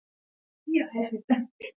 جلګه د افغان ماشومانو د لوبو موضوع ده.